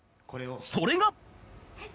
それが